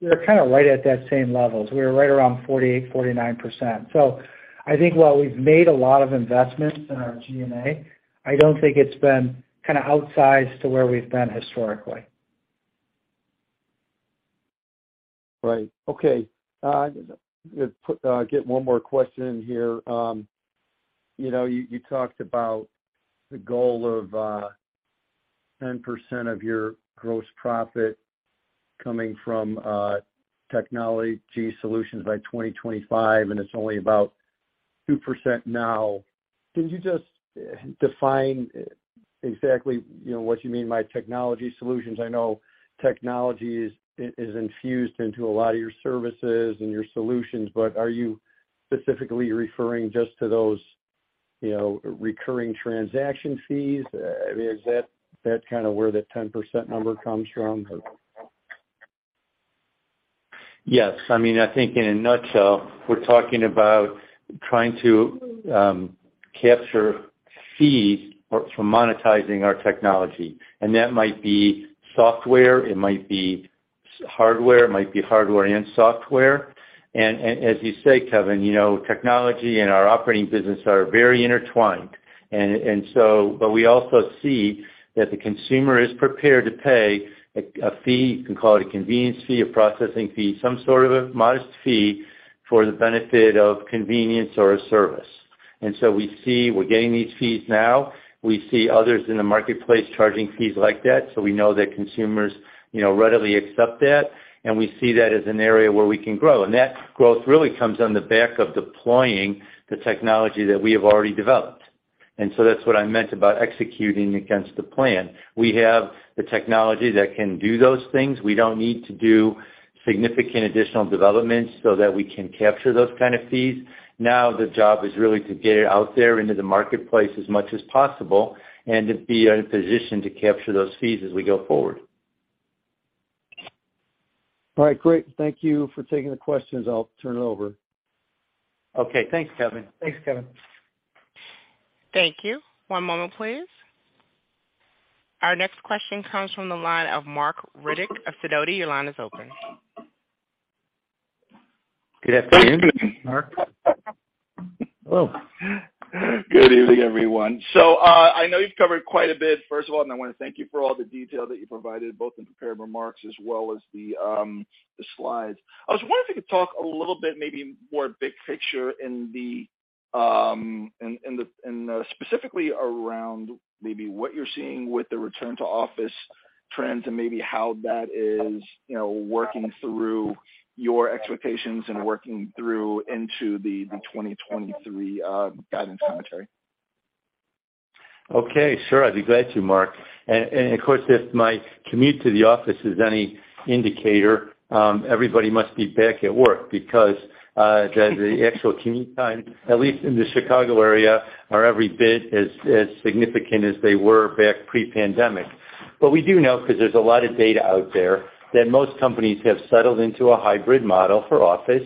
we're kind of right at that same level. We're right around 48%, 49%. I think while we've made a lot of investments in our G&A, I don't think it's been kinda outsized to where we've been historically. Right. Okay. put get one more question in here. You know, you talked about the goal of 10% of your gross profit coming from technology solutions by 2025, and it's only about 2% now. Can you just define exactly, you know, what you mean by technology solutions? I know technology is infused into a lot of your services and your solutions, but are you specifically referring just to those, you know, recurring transaction fees? I mean, is that kind of where the 10% number comes from or? Yes. I mean, I think in a nutshell, we're talking about trying to capture fees or from monetizing our technology, and that might be software, it might be hardware, it might be hardware and software. As you say, Kevin, you know, technology and our operating business are very intertwined. We also see that the consumer is prepared to pay a fee, you can call it a convenience fee, a processing fee, some sort of a modest fee for the benefit of convenience or a service. We see we're getting these fees now. We see others in the marketplace charging fees like that, so we know that consumers, you know, readily accept that, and we see that as an area where we can grow. That growth really comes on the back of deploying the technology that we have already developed. That's what I meant about executing against the plan. We have the technology that can do those things. We don't need to do significant additional developments so that we can capture those kind of fees. Now, the job is really to get it out there into the marketplace as much as possible and to be in a position to capture those fees as we go forward. All right, great. Thank you for taking the questions. I'll turn it over. Okay. Thanks, Kevin. Thanks, Kevin. Thank you. One moment, please. Our next question comes from the line of Marc Riddick of Sidoti & Company. Your line is open. Good afternoon, Marc. Hello. Good evening, everyone. I know you've covered quite a bit, first of all, and I wanna thank you for all the detail that you provided, both in prepared remarks as well as the slides. I was wondering if you could talk a little bit, maybe more big picture in the, and specifically around maybe what you're seeing with the return to office trends and maybe how that is, you know, working through your expectations and working through into the 2023 guidance commentary. Okay. Sure. I'd be glad to, Marc. And of course, if my commute to the office is any indicator, everybody must be back at work because the actual commute time, at least in the Chicago area, are every bit as significant as they were back pre-pandemic. We do know, because there's a lot of data out there, that most companies have settled into a hybrid model for office.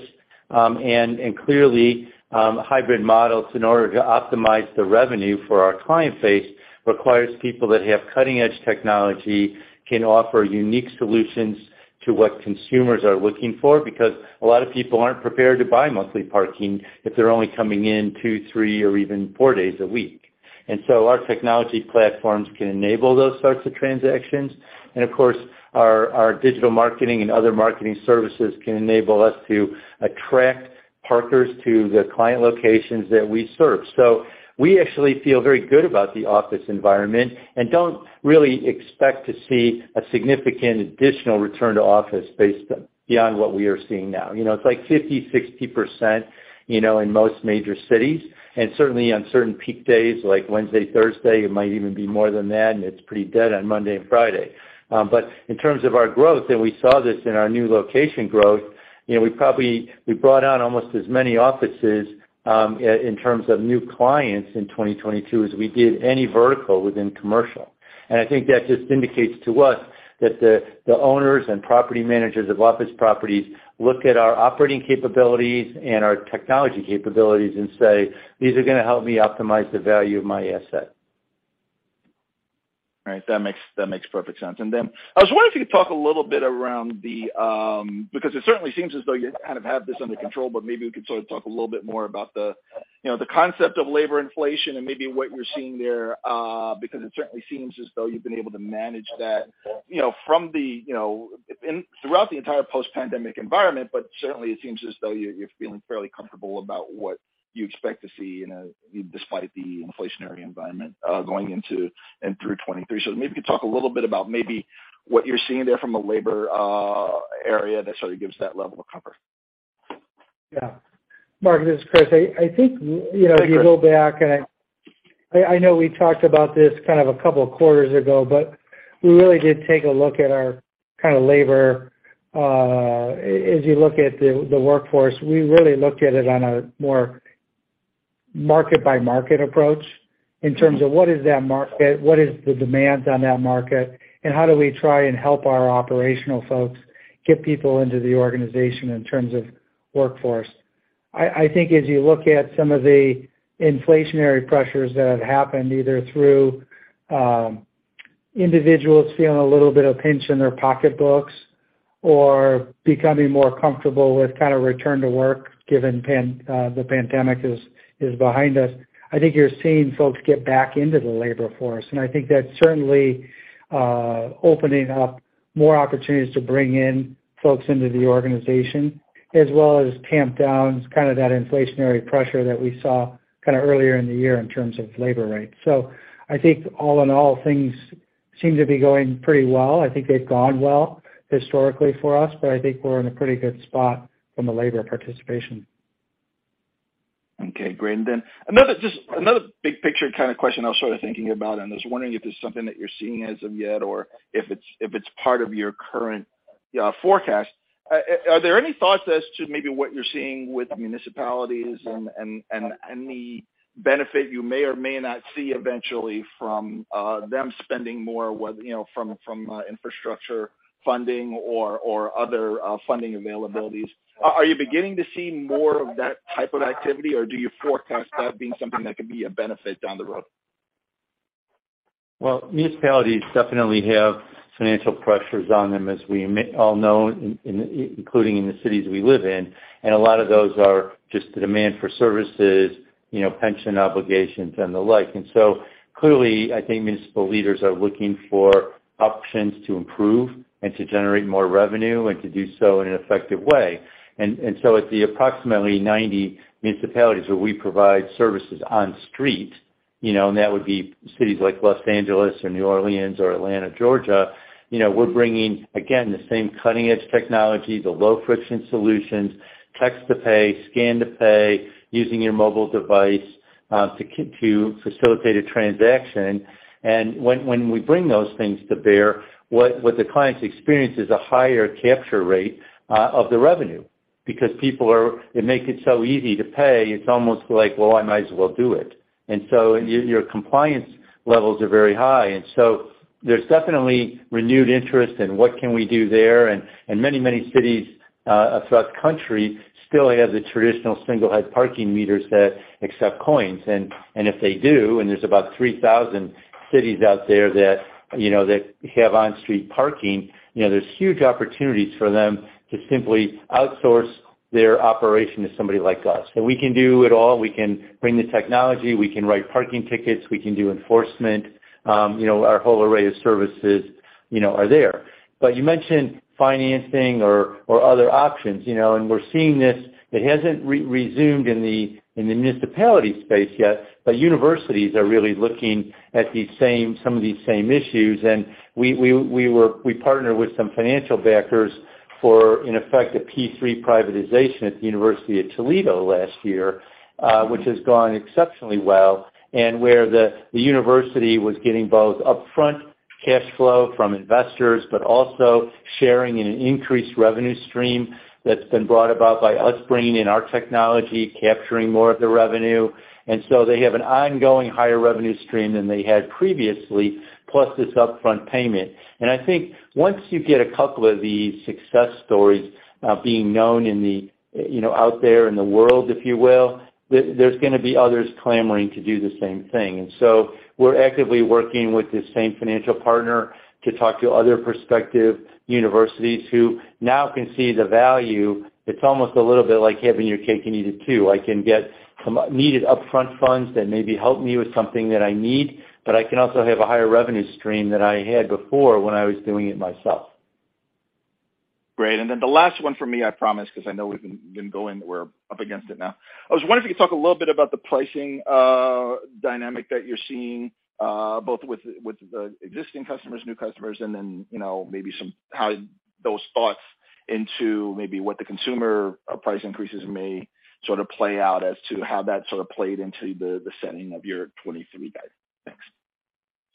And clearly, hybrid models, in order to optimize the revenue for our client base requires people that have cutting-edge technology, can offer unique solutions to what consumers are looking for. Because a lot of people aren't prepared to buy monthly parking if they're only coming in two, three, or even four days a week. Our technology platforms can enable those sorts of transactions. Of course, our digital marketing and other marketing services can enable us to attract parkers to the client locations that we serve. We actually feel very good about the office environment and don't really expect to see a significant additional return to office based on beyond what we are seeing now. You know, it's like 50%-60%, you know, in most major cities, and certainly on certain peak days like Wednesday, Thursday, it might even be more than that, and it's pretty dead on Monday and Friday. In terms of our growth, and we saw this in our new location growth, you know, we brought on almost as many offices in terms of new clients in 2022 as we did any vertical within commercial. I think that just indicates to us that the owners and property managers of office properties look at our operating capabilities and our technology capabilities and say, "These are gonna help me optimize the value of my asset. Right. That makes perfect sense. I was wondering if you could talk a little bit around the, because it certainly seems as though you kind of have this under control, but maybe we could sort of talk a little bit more about the, you know, the concept of labor inflation and maybe what you're seeing there, because it certainly seems as though you've been able to manage that, you know, from the, you know, throughout the entire post-pandemic environment. Certainly it seems as though you're feeling fairly comfortable about what you expect to see despite the inflationary environment, going into and through 2023. Maybe you could talk a little bit about maybe what you're seeing there from a labor area that sort of gives that level of comfort. Yeah. Marc, this is Kris. I think, you know. Hi, Kris. If you go back, and I know we talked about this kind of a couple of quarters ago, but we really did take a look at our kind of labor. As you look at the workforce, we really looked at it on a more market-by-market approach in terms of what is that market, what is the demands on that market, and how do we try and help our operational folks get people into the organization in terms of workforce. I think as you look at some of the inflationary pressures that have happened, either through individuals feeling a little bit of pinch in their pocketbooks or becoming more comfortable with kind of return to work given the pandemic is behind us, I think you're seeing folks get back into the labor force. I think that's certainly, opening up more opportunities to bring in folks into the organization as well as tamp down kind of that inflationary pressure that we saw kind of earlier in the year in terms of labor rates. I think all in all, things seem to be going pretty well. I think they've gone well historically for us, but I think we're in a pretty good spot from a labor participation. Okay, great. Another, just another big picture kind of question I was sort of thinking about and I was wondering if there's something that you're seeing as of yet or if it's part of your current forecast. Are there any thoughts as to maybe what you're seeing with municipalities and the benefit you may or may not see eventually from them spending more, you know, from infrastructure funding or other funding availabilities? Are you beginning to see more of that type of activity, or do you forecast that being something that could be a benefit down the road? Well, municipalities definitely have financial pressures on them, as we may all know including in the cities we live in, and a lot of those are just the demand for services, you know, pension obligations and the like. Clearly, I think municipal leaders are looking for options to improve and to generate more revenue and to do so in an effective way. At the approximately 90 municipalities where we provide services on street, you know, and that would be cities like Los Angeles or New Orleans or Atlanta, Georgia, you know, we're bringing, again, the same cutting-edge technology, the low-friction solutions, text to pay, scan to pay, using your mobile device to facilitate a transaction. When we bring those things to bear, what the clients experience is a higher capture rate of the revenue because it make it so easy to pay, it's almost like, well, I might as well do it. Your compliance levels are very high. There's definitely renewed interest in what can we do there. Many cities across country still have the traditional single-head parking meters that accept coins. If they do, and there's about 3,000 cities out there that, you know, that have on-street parking, you know, there's huge opportunities for them to simply outsource their operation to somebody like us. We can do it all. We can bring the technology. We can write parking tickets. We can do enforcement. You know, our whole array of services, you know, are there. You mentioned financing or other options, you know, and we're seeing this. It hasn't resumed in the municipality space yet, but universities are really looking at some of these same issues. We partner with some financial backers for, in effect, a P3 privatization at the University of Toledo last year, which has gone exceptionally well and where the university was getting both upfront cash flow from investors, but also sharing in an increased revenue stream that's been brought about by us bringing in our technology, capturing more of the revenue. They have an ongoing higher revenue stream than they had previously, plus this upfront payment. I think once you get a couple of these success stories, being known in the, you know, out there in the world, if you will, there's gonna be others clamoring to do the same thing. We're actively working with the same financial partner to talk to other prospective universities who now can see the value. It's almost a little bit like having your cake and eating it too. I can get some needed upfront funds that maybe help me with something that I need, but I can also have a higher revenue stream than I had before when I was doing it myself. Great. The last one for me, I promise, 'cause I know we've been going. We're up against it now. I was wondering if you could talk a little bit about the pricing dynamic that you're seeing, both with the existing customers, new customers, and then, you know, how those thoughts into maybe what the consumer price increases may sort of play out as to how that sort of played into the setting of your 2023 guide. Thanks.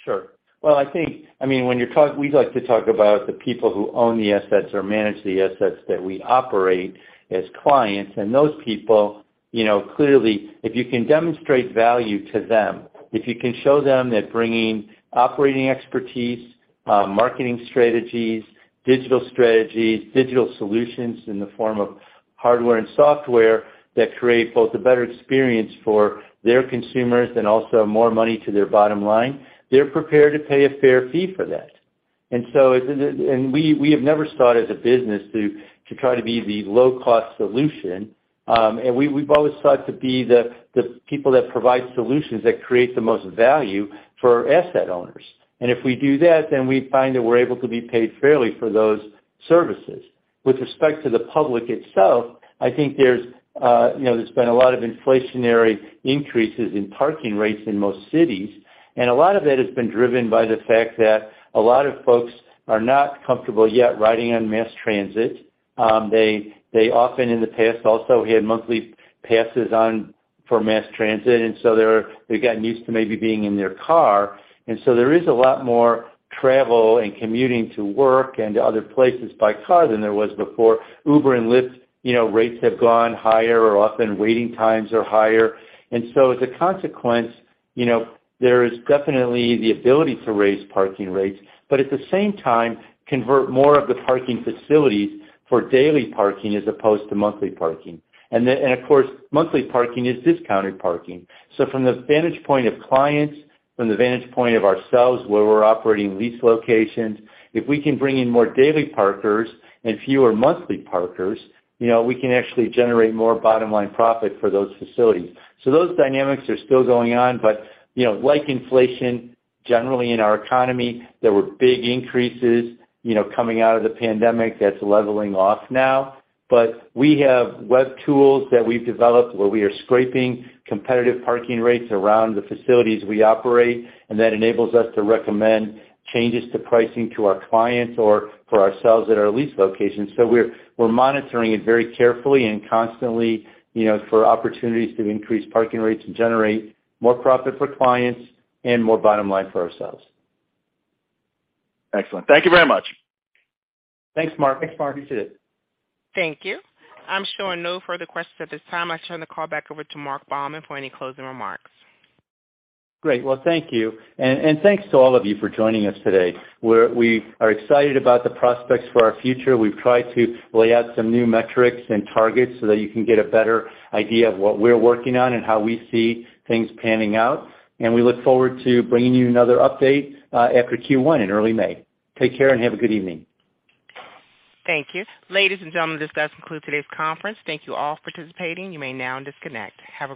Sure. Well, I think I mean, when we like to talk about the people who own the assets or manage the assets that we operate as clients and those people, you know, clearly, if you can demonstrate value to them, if you can show them that bringing operating expertise, marketing strategies, digital strategies, digital solutions in the form of hardware and software that create both a better experience for their consumers and also more money to their bottom line, they're prepared to pay a fair fee for that. So it, and we have never started a business to try to be the low cost solution. We have always thought to be the people that provide solutions that create the most value for asset owners. If we do that, then we find that we're able to be paid fairly for those services. With respect to the public itself, I think there's, you know, there's been a lot of inflationary increases in parking rates in most cities, and a lot of it has been driven by the fact that a lot of folks are not comfortable yet riding on mass transit. They often in the past also had monthly passes on for mass transit. They've gotten used to maybe being in their car. There is a lot more travel and commuting to work and to other places by car than there was before. Uber and Lyft, you know, rates have gone higher or often waiting times are higher. As a consequence, you know, there is definitely the ability to raise parking rates, but at the same time convert more of the parking facilities for daily parking as opposed to monthly parking. Of course, monthly parking is discounted parking. From the vantage point of clients, from the vantage point of ourselves, where we're operating lease locations, if we can bring in more daily parkers and fewer monthly parkers, you know, we can actually generate more bottom-line profit for those facilities. Those dynamics are still going on. You know, like inflation generally in our economy, there were big increases, you know, coming out of the pandemic that's leveling off now. We have web tools that we've developed where we are scraping competitive parking rates around the facilities we operate, and that enables us to recommend changes to pricing to our clients or for ourselves at our lease locations. We're monitoring it very carefully and constantly, you know, for opportunities to increase parking rates and generate more profit for clients and more bottom line for ourselves. Excellent. Thank you very much. Thanks, Marc. Thanks, Marc. You too. Thank you. I'm showing no further questions at this time. I turn the call back over to Marc Baumann for any closing remarks. Great. Well, thank you. Thanks to all of you for joining us today. We are excited about the prospects for our future. We've tried to lay out some new metrics and targets so that you can get a better idea of what we're working on and how we see things panning out. We look forward to bringing you another update after Q1 in early May. Take care and have a good evening. Thank you. Ladies and gentlemen, this does conclude today's conference. Thank you all for participating. You may now disconnect. Have a great day.